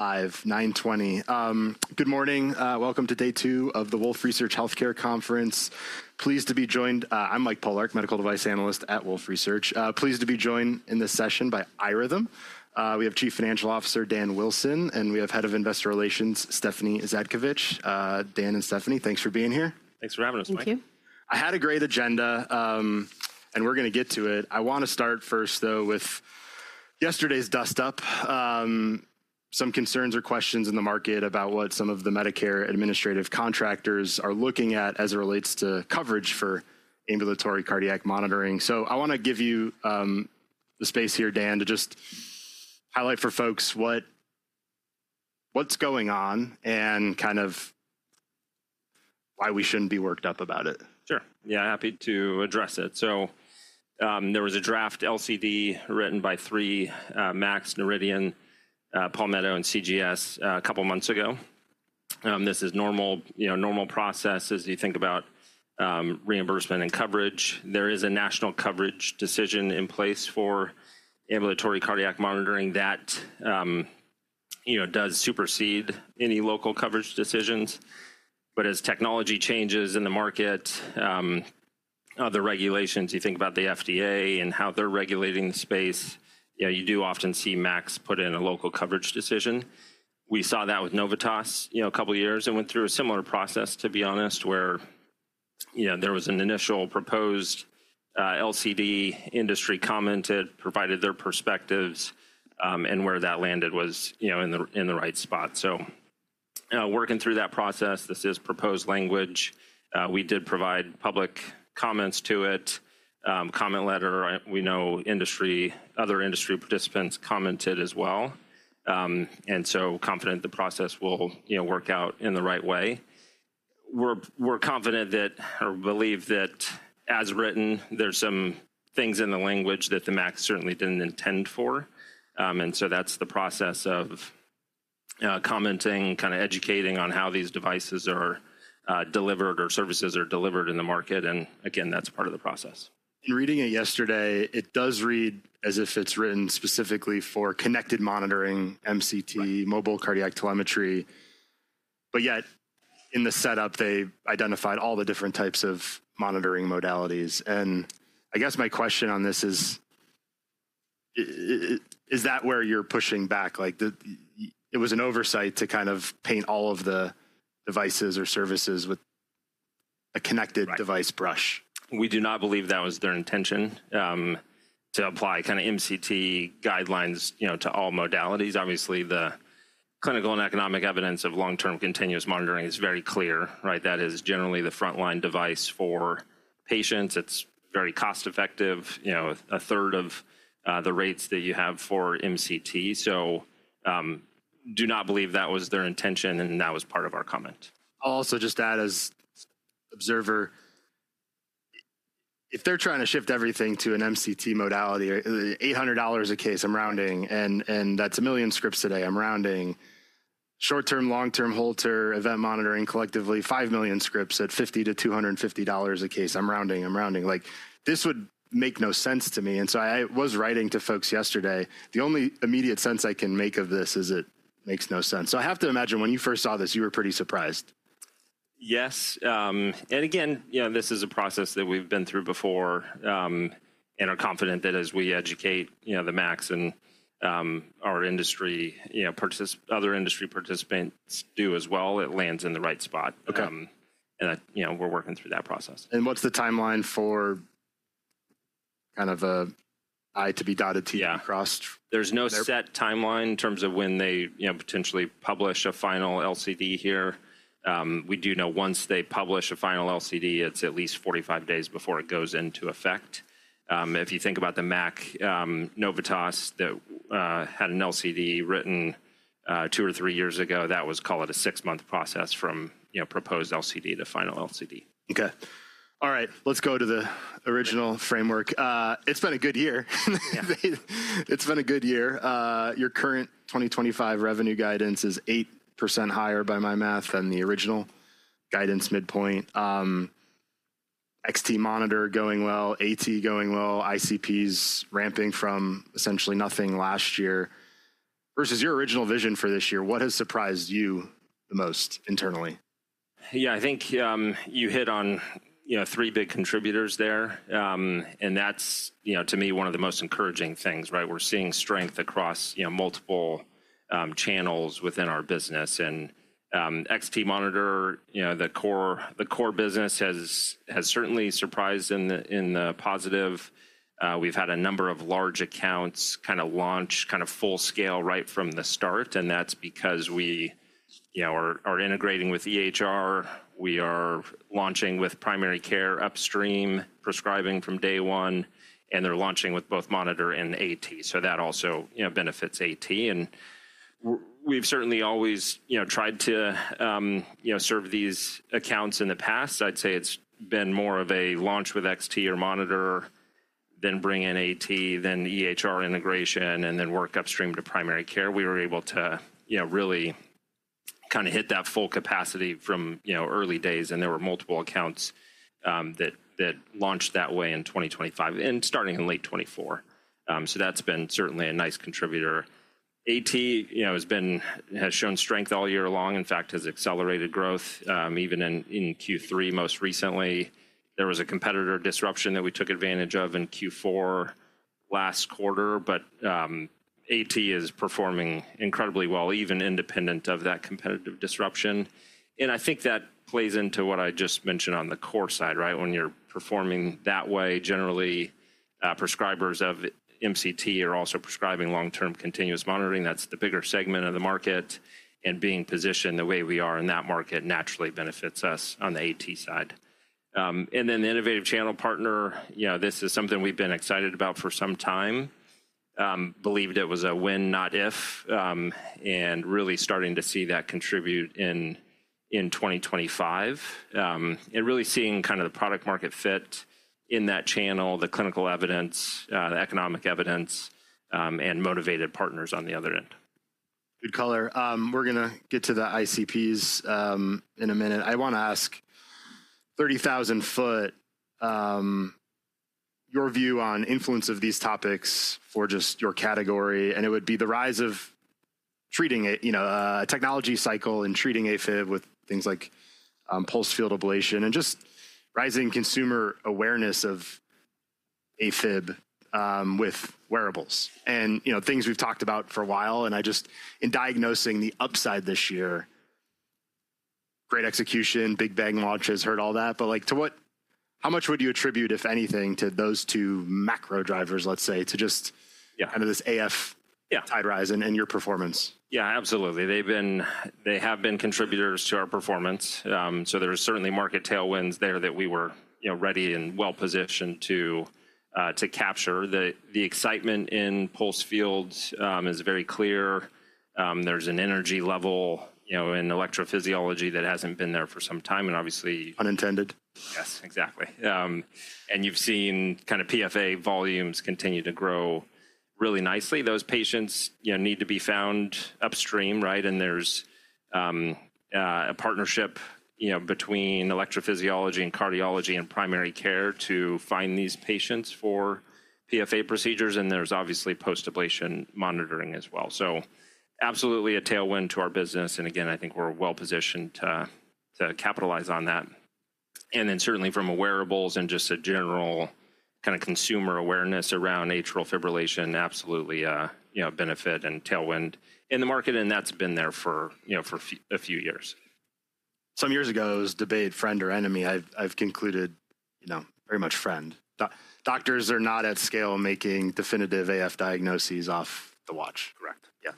Five, 9:20. Good morning. Welcome to day two of the Wolf Research Healthcare Conference. Pleased to be joined—I'm Mike Pollard, medical device analyst at Wolf Research. Pleased to be joined in this session by iRhythm. We have Chief Financial Officer Dan Wilson, and we have Head of Investor Relations Stephanie Zhadkevich. Dan and Stephanie, thanks for being here. Thanks for having us, Mike. Thank you. I had a great agenda, and we're going to get to it. I want to start first, though, with yesterday's dust-up. Some concerns or questions in the market about what some of the Medicare Administrative Contractors are looking at as it relates to coverage for ambulatory cardiac monitoring. I want to give you the space here, Dan, to just highlight for folks what's going on and kind of why we shouldn't be worked up about it. Sure. Yeah, happy to address it. There was a draft LCD written by three, MACs, Noridian, Palmetto, and CGS a couple of months ago. This is normal process as you think about reimbursement and coverage. There is a national coverage decision in place for ambulatory cardiac monitoring that does supersede any local coverage decisions. As technology changes in the market, other regulations, you think about the FDA and how they're regulating the space, you do often see MACs put in a local coverage decision. We saw that with Novitas a couple of years ago and went through a similar process, to be honest, where there was an initial proposed LCD, industry commented, provided their perspectives, and where that landed was in the right spot. Working through that process, this is proposed language. We did provide public comments to it, comment letter. We know other industry participants commented as well. We are confident the process will work out in the right way. We are confident that, or believe that, as written, there are some things in the language that MACs certainly did not intend for. That is the process of commenting, kind of educating on how these devices are delivered or services are delivered in the market. That is part of the process. In reading it yesterday, it does read as if it's written specifically for connected monitoring, MCT, mobile cardiac telemetry. Yet, in the setup, they identified all the different types of monitoring modalities. I guess my question on this is, is that where you're pushing back? It was an oversight to kind of paint all of the devices or services with a connected device brush. We do not believe that was their intention to apply kind of MCT guidelines to all modalities. Obviously, the clinical and economic evidence of long-term continuous monitoring is very clear. That is generally the frontline device for patients. It's very cost-effective, a third of the rates that you have for MCT. We do not believe that was their intention, and that was part of our comment. I'll also just add as observer, if they're trying to shift everything to an MCT modality, $800 a case, I'm rounding, and that's a million scripts a day. I'm rounding short-term, long-term Holter event monitoring collectively, 5 million scripts at $50-$250 a case. I'm rounding, I'm rounding. This would make no sense to me. I was writing to folks yesterday. The only immediate sense I can make of this is it makes no sense. I have to imagine when you first saw this, you were pretty surprised. Yes. This is a process that we've been through before and are confident that as we educate the MACs and our industry, other industry participants do as well, it lands in the right spot. We're working through that process. What's the timeline for kind of an I to be dotted T across? There's no set timeline in terms of when they potentially publish a final LCD here. We do know once they publish a final LCD, it's at least 45 days before it goes into effect. If you think about the MAC Novitas that had an LCD written two or three years ago, that was, call it a six-month process from proposed LCD to final LCD. Okay. All right. Let's go to the original framework. It's been a good year. It's been a good year. Your current 2025 revenue guidance is 8% higher by my math than the original guidance midpoint. XT monitor going well, AT going well, ICPs ramping from essentially nothing last year versus your original vision for this year. What has surprised you the most internally? Yeah, I think you hit on three big contributors there. That's, to me, one of the most encouraging things. We're seeing strength across multiple channels within our business. XT monitor, the core business, has certainly surprised in the positive. We've had a number of large accounts kind of launch full scale right from the start. That's because we are integrating with EHR. We are launching with primary care upstream prescribing from day one. They're launching with both monitor and AT. That also benefits AT. We've certainly always tried to serve these accounts in the past. I'd say it's been more of a launch with XT or monitor, then bring in AT, then EHR integration, and then work upstream to primary care. We were able to really kind of hit that full capacity from early days. There were multiple accounts that launched that way in 2025 and starting in late 2024. That has been certainly a nice contributor. AT has shown strength all year long, in fact, has accelerated growth even in Q3. Most recently, there was a competitor disruption that we took advantage of in Q4 last quarter. AT is performing incredibly well, even independent of that competitive disruption. I think that plays into what I just mentioned on the core side. When you are performing that way, generally, prescribers of MCT are also prescribing long-term continuous monitoring. That is the bigger segment of the market. Being positioned the way we are in that market naturally benefits us on the AT side. The innovative channel partner, this is something we have been excited about for some time. Believed it was a win, not if, and really starting to see that contribute in 2025. Really seeing kind of the product-market fit in that channel, the clinical evidence, the economic evidence, and motivated partners on the other end. Good color. We're going to get to the ICPs in a minute. I want to ask, 30,000 ft, your view on influence of these topics for just your category. It would be the rise of treating a technology cycle and treating AFib with things like pulse field ablation and just rising consumer awareness of AFib with wearables. Things we've talked about for a while. In diagnosing the upside this year, great execution, big bang launches, heard all that. How much would you attribute, if anything, to those two macro drivers, let's say, to just kind of this AF tide rise and your performance? Yeah, absolutely. They have been contributors to our performance. There are certainly market tailwinds there that we were ready and well-positioned to capture. The excitement in pulse fields is very clear. There is an energy level in electrophysiology that has not been there for some time. Obviously. Unintended. Yes, exactly. You have seen kind of PFA volumes continue to grow really nicely. Those patients need to be found upstream. There is a partnership between electrophysiology and cardiology and primary care to find these patients for PFA procedures. There is obviously post-ablation monitoring as well. Absolutely a tailwind to our business. Again, I think we are well-positioned to capitalize on that. Certainly from a wearables and just a general kind of consumer awareness around atrial fibrillation, absolutely a benefit and tailwind in the market. That has been there for a few years. Some years ago, it was debate, friend or enemy. I've concluded very much friend. Doctors are not at scale making definitive AF diagnoses off the watch. Correct. Yeah.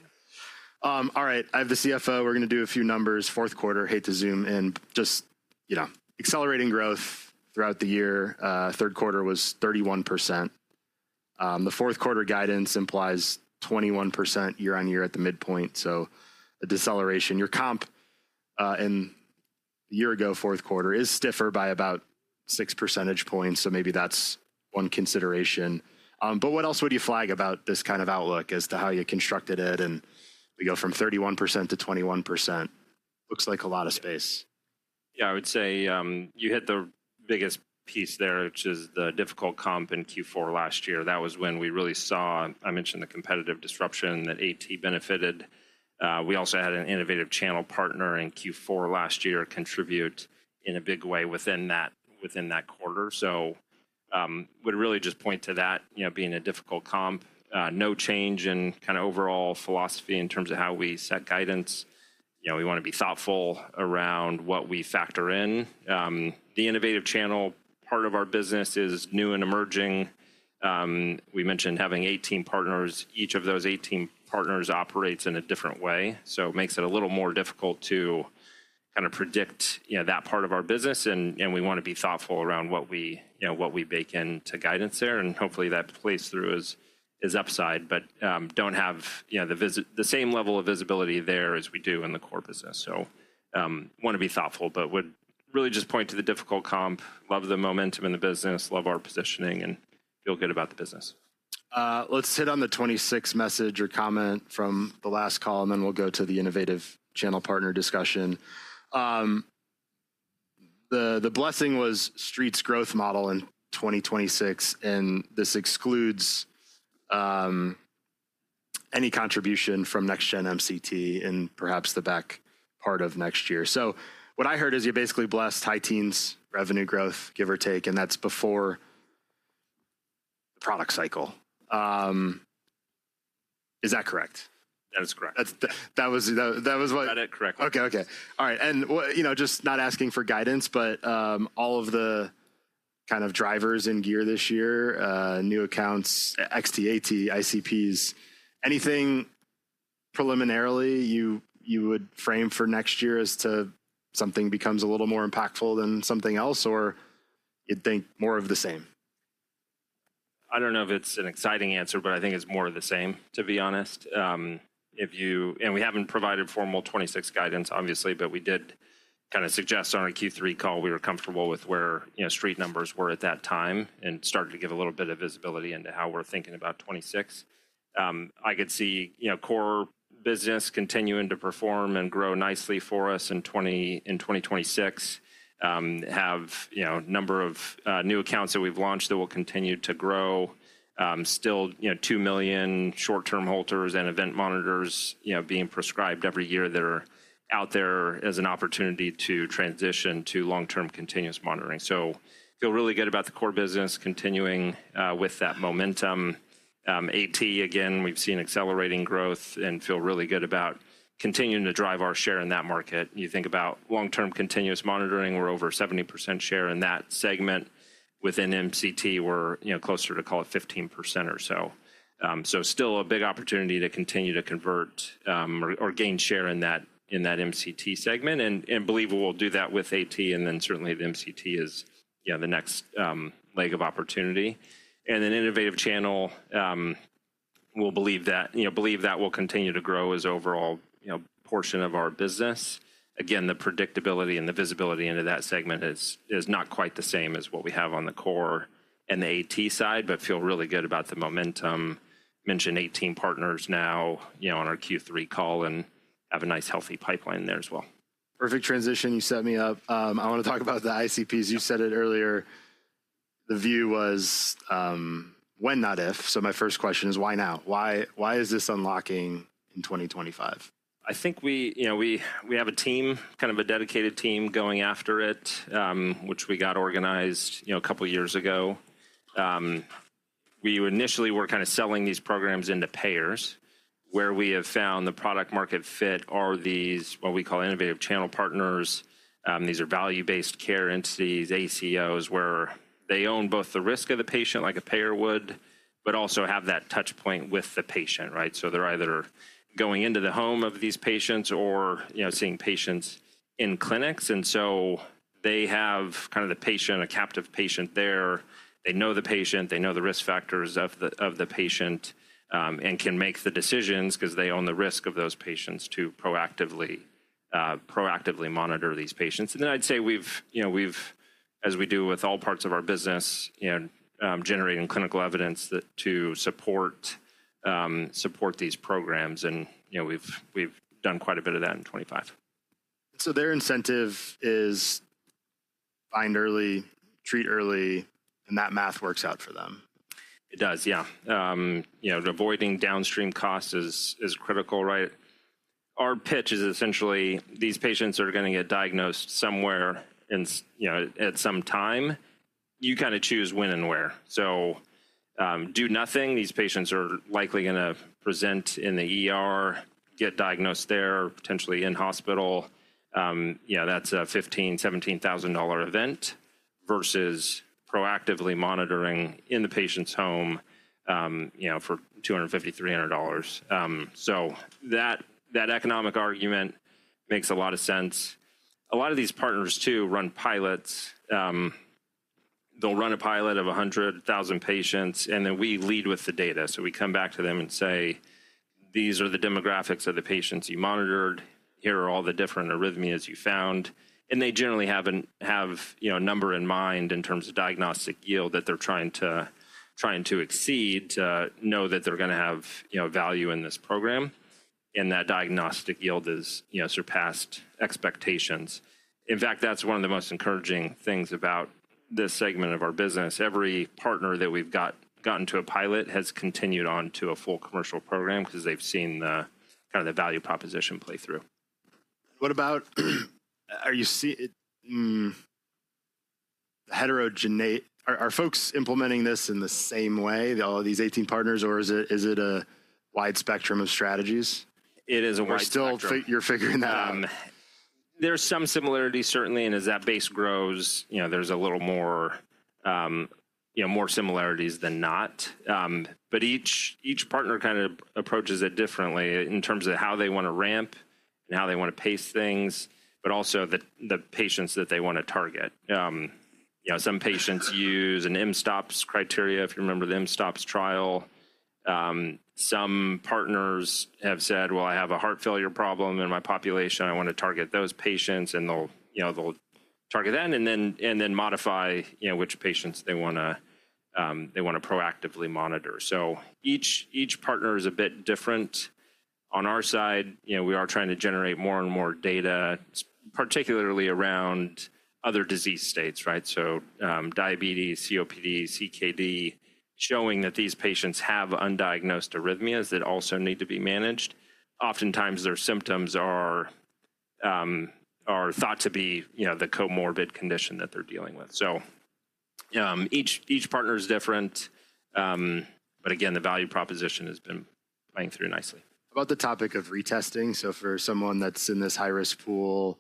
All right. I have the CFO. We're going to do a few numbers. Fourth quarter, hate to zoom in, just accelerating growth throughout the year. Third quarter was 31%. The fourth quarter guidance implies 21% year-on-year at the midpoint. A deceleration. Your comp in the year ago, fourth quarter, is stiffer by about six percentage points maybe that's one consideration. What else would you flag about this kind of outlook as to how you constructed it? We go from 31%-21%. Looks like a lot of space. Yeah, I would say you hit the biggest piece there, which is the difficult comp in Q4 last year. That was when we really saw, I mentioned the competitive disruption that AT benefited. We also had an innovative channel partner in Q4 last year contribute in a big way within that quarter. I would really just point to that being a difficult comp. No change in kind of overall philosophy in terms of how we set guidance. We want to be thoughtful around what we factor in. The innovative channel part of our business is new and emerging. We mentioned having 18 partners. Each of those 18 partners operates in a different way. It makes it a little more difficult to kind of predict that part of our business. We want to be thoughtful around what we bake into guidance there. Hopefully, that plays through as upside, but do not have the same level of visibility there as we do in the core business. Want to be thoughtful, but would really just point to the difficult comp. Love the momentum in the business. Love our positioning and feel good about the business. Let's hit on the 2026 message or comment from the last call, and then we'll go to the innovative channel partner discussion. The blessing was Street's growth model in 2026. And this excludes any contribution from next-gen MCT in perhaps the back part of next year. So what I heard is you basically blessed high teens revenue growth, give or take, and that's before the product cycle. Is that correct? That is correct. That was what. You got it correctly. Okay. All right. Just not asking for guidance, but all of the kind of drivers in gear this year, new accounts, XT, AT, ICPs, anything preliminarily you would frame for next year as to something becomes a little more impactful than something else, or you'd think more of the same? I don't know if it's an exciting answer, but I think it's more of the same, to be honest. We haven't provided formal 2026 guidance, obviously, but we did kind of suggest on our Q3 call we were comfortable with where street numbers were at that time and started to give a little bit of visibility into how we're thinking about 2026. I could see core business continuing to perform and grow nicely for us in 2026. Have a number of new accounts that we've launched that will continue to grow. Still, 2 million short-term Holters and event monitors being prescribed every year that are out there as an opportunity to transition to long-term continuous monitoring. Feel really good about the core business continuing with that momentum. AT, again, we've seen accelerating growth and feel really good about continuing to drive our share in that market. You think about long-term continuous monitoring, we're over 70% share in that segment. Within MCT, we're closer to, call it, 15% or so. Still a big opportunity to continue to convert or gain share in that MCT segment. Believe we'll do that with AT, and certainly the MCT is the next leg of opportunity. Innovative channel, we'll believe that will continue to grow as overall portion of our business. Again, the predictability and the visibility into that segment is not quite the same as what we have on the core and the AT side, but feel really good about the momentum. Mentioned 18 partners now on our Q3 call and have a nice healthy pipeline there as well. Perfect transition, you set me up. I want to talk about the ICPs. You said it earlier, the view was when, not if. My first question is why now? Why is this unlocking in 2025? I think we have a team, kind of a dedicated team going after it, which we got organized a couple of years ago. We initially were kind of selling these programs into payers where we have found the product-market fit are these, what we call innovative channel partners. These are value-based care entities, ACOs, where they own both the risk of the patient like a payer would, but also have that touchpoint with the patient. They are either going into the home of these patients or seeing patients in clinics. They have kind of the patient, a captive patient there. They know the patient. They know the risk factors of the patient and can make the decisions because they own the risk of those patients to proactively monitor these patients. We've, as we do with all parts of our business, generating clinical evidence to support these programs. We've done quite a bit of that in 2025. Their incentive is find early, treat early, and that math works out for them. It does, yeah. Avoiding downstream costs is critical, right? Our pitch is essentially these patients are going to get diagnosed somewhere at some time. You kind of choose when and where. Do nothing, these patients are likely going to present and get diagnosed there, potentially in hospital. That's a $15,000-$17,000 event versus proactively monitoring in the patient's home for $250-$300. That economic argument makes a lot of sense. A lot of these partners too run pilots. They'll run a pilot of 100,000 patients. We lead with the data. We come back to them and say, these are the demographics of the patients you monitored. Here are all the different arrhythmias you found. They generally have a number in mind in terms of diagnostic yield that they're trying to exceed to know that they're going to have value in this program. That diagnostic yield has surpassed expectations. In fact, that's one of the most encouraging things about this segment of our business. Every partner that we've gotten to a pilot has continued on to a full commercial program because they've seen kind of the value proposition play through. What about heterogeneity? Are folks implementing this in the same way, all of these 18 partners, or is it a wide spectrum of strategies? It is a wide spectrum. You're figuring that out. There's some similarity, certainly. As that base grows, there's a little more similarities than not. Each partner kind of approaches it differently in terms of how they want to ramp and how they want to pace things, but also the patients that they want to target. Some patients use an M-STOPS criteria, if you remember the M-STOPS trial. Some partners have said, well, I have a heart failure problem in my population. I want to target those patients. They'll target that and then modify which patients they want to proactively monitor. Each partner is a bit different. On our side, we are trying to generate more and more data, particularly around other disease states, right? Diabetes, COPD, CKD, showing that these patients have undiagnosed arrhythmias that also need to be managed. Oftentimes, their symptoms are thought to be the comorbid condition that they're dealing with. Each partner is different, but again, the value proposition has been playing through nicely. About the topic of retesting. For someone that's in this high-risk pool,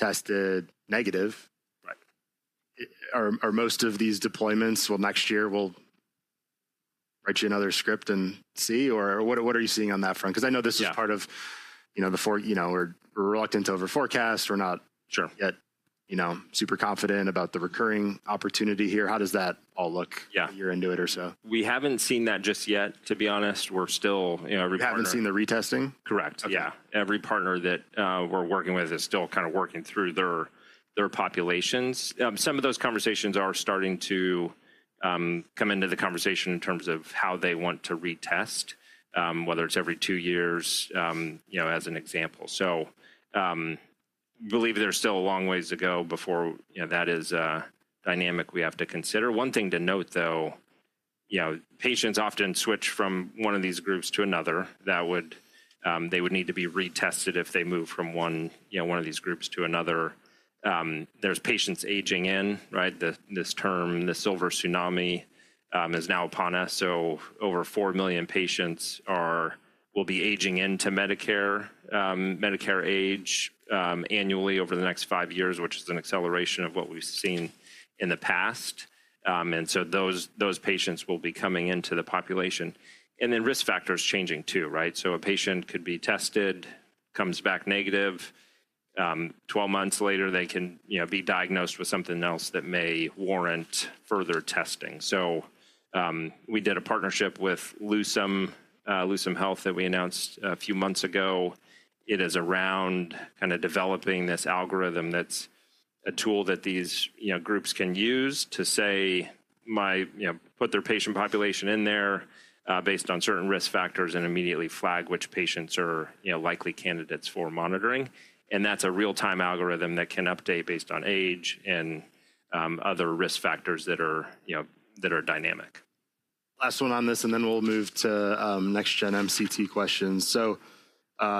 tested negative. Right. Are most of these deployments, next year, we'll write you another script and see or what are you seeing on that front? Because I know this is part of before we're reluctant to overforecast. We're not yet super confident about the recurring opportunity here. How does that all look a year into it or so? We haven't seen that just yet, to be honest. We're still. You haven't seen the retesting? Correct. Yeah. Every partner that we're working with is still kind of working through their populations. Some of those conversations are starting to come into the conversation in terms of how they want to retest, whether it's every two years as an example. We believe there's still a long ways to go before that is a dynamic we have to consider. One thing to note, though, patients often switch from one of these groups to another. They would need to be retested if they move from one of these groups to another. There's patients aging in, right? This term, the silver tsunami, is now upon us. Over 4 million patients will be aging into Medicare age annually over the next five years, which is an acceleration of what we've seen in the past. Those patients will be coming into the population. Risk factors are changing too, right? A patient could be tested, comes back negative. Twelve months later, they can be diagnosed with something else that may warrant further testing. We did a partnership with Lusum Health that we announced a few months ago. It is around kind of developing this algorithm that's a tool that these groups can use to, say, put their patient population in there based on certain risk factors and immediately flag which patients are likely candidates for monitoring. That's a real-time algorithm that can update based on age and other risk factors that are dynamic. Last one on this, and then we'll move to next-gen MCT questions.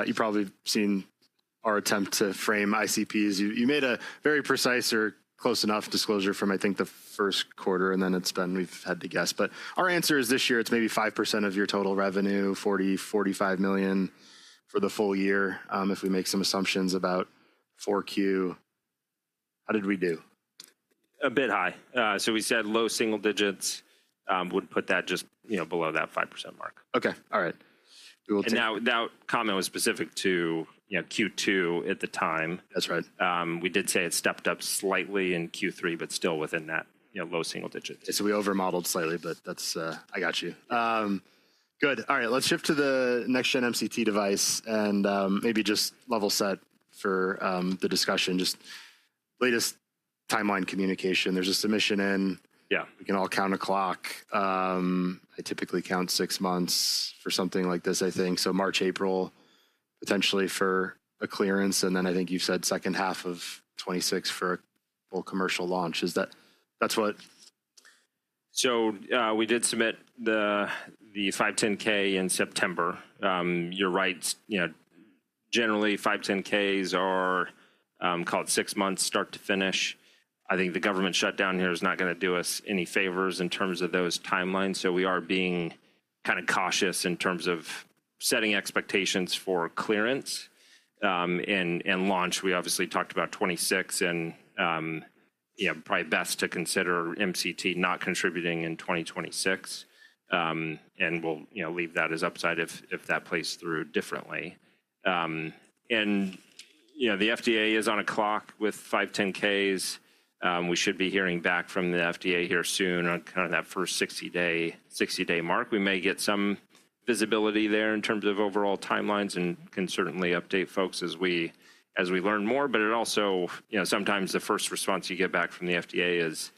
You've probably seen our attempt to frame ICPs. You made a very precise or close enough disclosure from, I think, the first quarter, and then it's been we've had to guess. Our answer is this year, it's maybe 5% of your total revenue, $40 million-$45 million for the full year. If we make some assumptions about Q4, how did we do? A bit high. We said low single digits would put that just below that 5% mark. Okay. All right. That comment was specific to Q2 at the time. That's right. We did say it stepped up slightly in Q3, but still within that low single digit. We overmodeled slightly, but I got you. Good. All right. Let's shift to the next-gen MCT device and maybe just level set for the discussion. Just latest timeline communication. There's a submission in. We can all count a clock. I typically count six months for something like this, I think. March, April, potentially for a clearance. And then I think you've said second half of 2026 for a full commercial launch. Is that what? We did submit the 510(k) in September. You're right. Generally, 510(k)s are called six months start to finish. I think the government shutdown here is not going to do us any favors in terms of those timelines. We are being kind of cautious in terms of setting expectations for clearance and launch. We obviously talked about 2026 and probably best to consider MCT not contributing in 2026. We will leave that as upside if that plays through differently. The FDA is on a clock with 510(k)s. We should be hearing back from the FDA here soon on that first 60-day mark. We may get some visibility there in terms of overall timelines and can certainly update folks as we learn more. It also, sometimes the first response you get back from the FDA is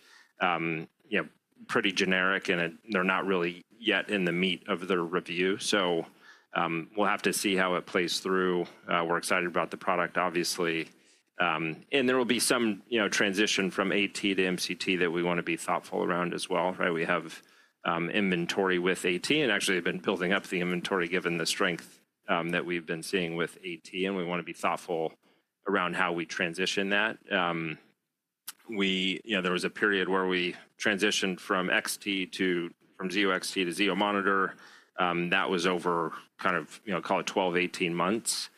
pretty generic, and they're not really yet in the meat of their review. We have to see how it plays through. We're excited about the product, obviously. There will be some transition from AT to MCT that we want to be thoughtful around as well. We have inventory with AT, and actually have been building up the inventory given the strength that we've been seeing with AT. We want to be thoughtful around how we transition that. There was a period where we transitioned from XT to from Zio XT to Zio Monitor. That was over kind of, call it 12-18 months.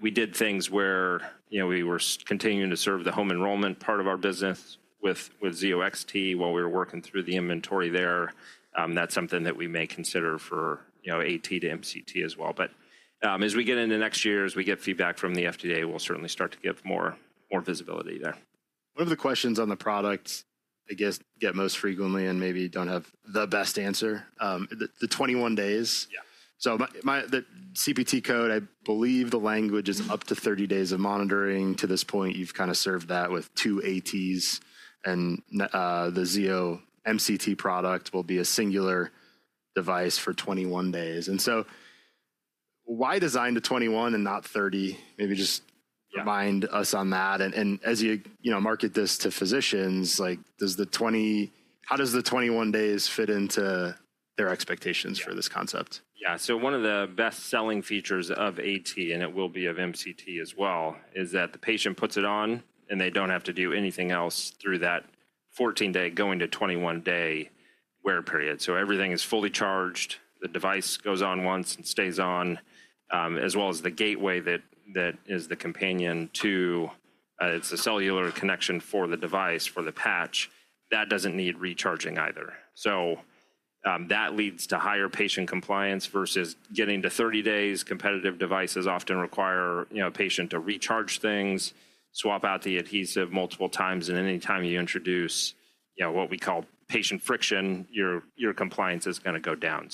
We did things where we were continuing to serve the home enrollment part of our business with Zio XT while we were working through the inventory there. That's something that we may consider for AT to MCT as well. As we get into next year, as we get feedback from the FDA, we'll certainly start to give more visibility there. One of the questions on the product I guess get most frequently and maybe do not have the best answer, the 21 days. The CPT code, I believe the language is up to 30 days of monitoring. To this point, you have kind of served that with two ATs. The Zio MCT product will be a singular device for 21 days. Why design the 21 and not 30? Maybe just remind us on that. As you market this to physicians, how does the 21 days fit into their expectations for this concept? Yeah. One of the best-selling features of AT, and it will be of MCT as well, is that the patient puts it on, and they do not have to do anything else through that 14-day going to 21-day wear period. Everything is fully charged. The device goes on once and stays on, as well as the gateway that is the companion to it. It is a cellular connection for the device, for the patch, that does not need recharging either. That leads to higher patient compliance versus getting to 30 days. Competitive devices often require a patient to recharge things, swap out the adhesive multiple times. Anytime you introduce what we call patient friction, your compliance is going to go down.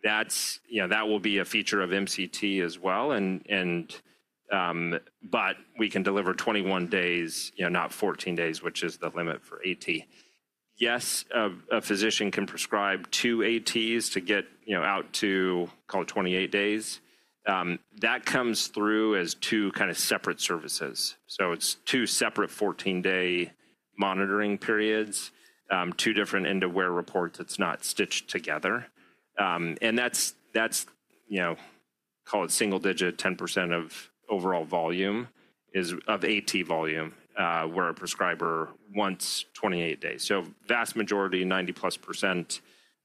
That will be a feature of MCT as well. We can deliver 21 days, not 14 days, which is the limit for AT. Yes, a physician can prescribe two ATs to get out to, call it 28 days. That comes through as two kind of separate services. It is two separate 14-day monitoring periods, two different end-of-wear reports. It is not stitched together. That is, call it single digit, 10% of overall volume is of AT volume where a prescriber wants 28 days. Vast majority, 90%+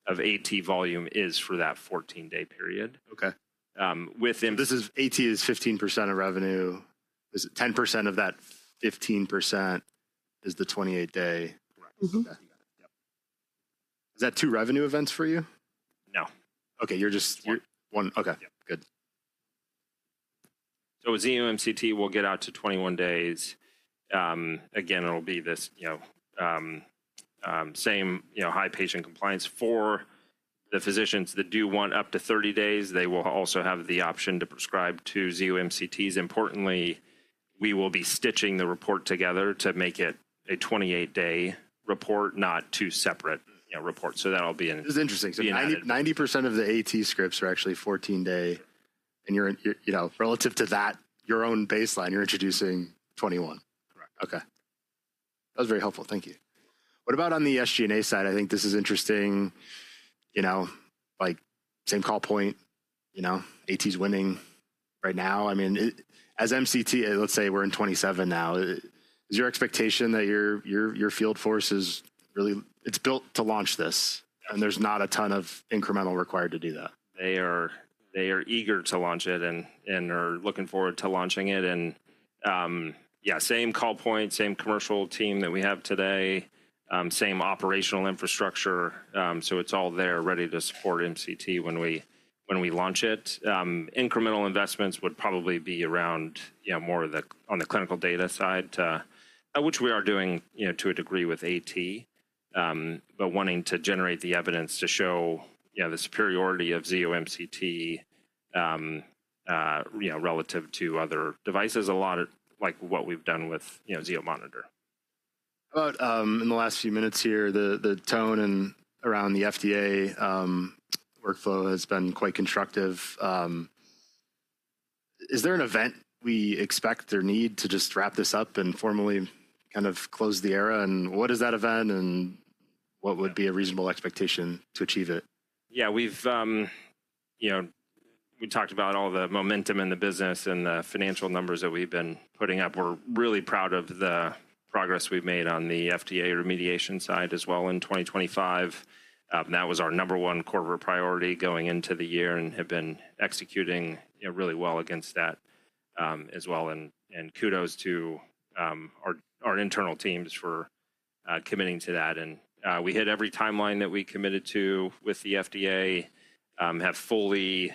of AT volume is for that 14-day period. Okay. This is AT is 15% of revenue. Is 10% of that 15% is the 28-day? Correct. Is that two revenue events for you? No. Okay. You're just one. Okay. Good. With Zio MCT, we'll get out to 21 days. Again, it'll be this same high patient compliance. For the physicians that do want up to 30 days, they will also have the option to prescribe to Zio MCTs. Importantly, we will be stitching the report together to make it a 28-day report, not two separate reports. That'll be in. This is interesting. 90% of the AT scripts are actually 14-day. And relative to that, your own baseline, you're introducing 21. Correct. Okay. That was very helpful. Thank you. What about on the SG&A side? I think this is interesting. Same call point. AT's winning right now. I mean, as MCT, let's say we're in 2027 now. Is your expectation that your field force is really it's built to launch this, and there's not a ton of incremental required to do that? They are eager to launch it and are looking forward to launching it. Yeah, same call point, same commercial team that we have today, same operational infrastructure. It is all there ready to support MCT when we launch it. Incremental investments would probably be around more on the clinical data side, which we are doing to a degree with AT, but wanting to generate the evidence to show the superiority of Zio MCT relative to other devices, a lot like what we have done with Zio Monitor. In the last few minutes here, the tone around the FDA workflow has been quite constructive. Is there an event we expect or need to just wrap this up and formally kind of close the era? What is that event, and what would be a reasonable expectation to achieve it? Yeah. We talked about all the momentum in the business and the financial numbers that we've been putting up. We're really proud of the progress we've made on the FDA remediation side as well in 2025. That was our number one corporate priority going into the year and have been executing really well against that as well. Kudos to our internal teams for committing to that. We hit every timeline that we committed to with the FDA, have fully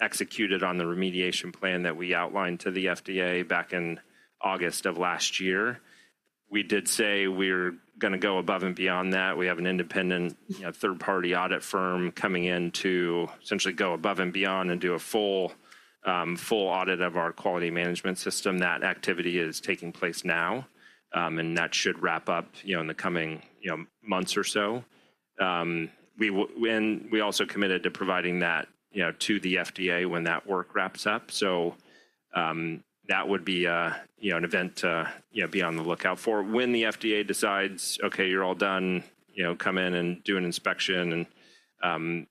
executed on the remediation plan that we outlined to the FDA back in August of last year. We did say we're going to go above and beyond that. We have an independent third-party audit firm coming in to essentially go above and beyond and do a full audit of our quality management system. That activity is taking place now, and that should wrap up in the coming months or so. We also committed to providing that to the FDA when that work wraps up. That would be an event to be on the lookout for. When the FDA decides, "Okay, you're all done, come in and do an inspection and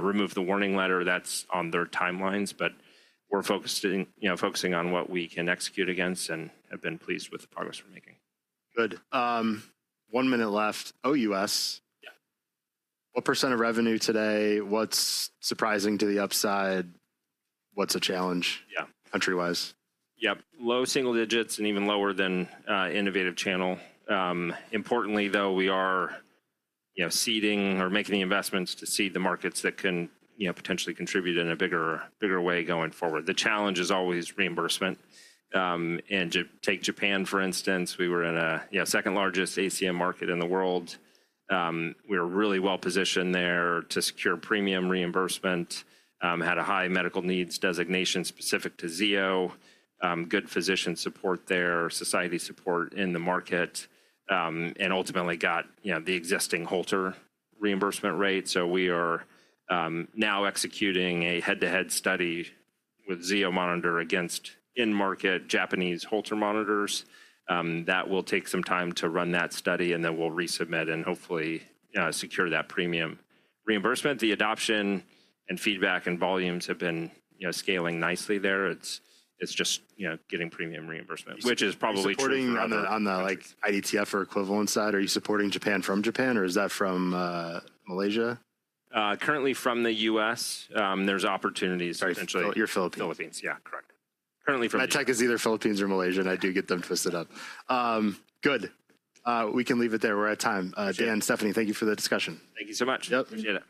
remove the warning letter," that's on their timelines. We are focusing on what we can execute against and have been pleased with the progress we're making. Good. One minute left. OUS. What percent of revenue today? What's surprising to the upside? What's a challenge countrywise? Yeah. Low single digits and even lower than innovative channel. Importantly, though, we are seeding or making the investments to seed the markets that can potentially contribute in a bigger way going forward. The challenge is always reimbursement. Take Japan, for instance. We were in the second-largest ACM market in the world. We were really well positioned there to secure premium reimbursement, had a high medical needs designation specific to Zio, good physician support there, society support in the market, and ultimately got the existing Holter reimbursement rate. We are now executing a head-to-head study with Zio Monitor against in-market Japanese Holter monitors. That will take some time to run that study, and then we will resubmit and hopefully secure that premium reimbursement. The adoption and feedback and volumes have been scaling nicely there. It is just getting premium reimbursement, which is probably tricky. Supporting on the IDTF or equivalent side, are you supporting Japan from Japan, or is that from Malaysia? Currently from the U.S. There's opportunities potentially. You're Philippines. Philippines, yeah. Correct. MedTech is either Philippines or Malaysia, and I do get them twisted up. Good. We can leave it there. We're at time. Dan, Stephanie, thank you for the discussion. Thank you so much. Yep. Appreciate it.